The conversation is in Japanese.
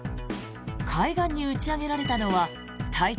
海岸に打ち上げられたのは体長